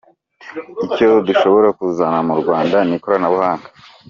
Icyo dushobora kuzana mu Rwanda ni ikoranabuhanga.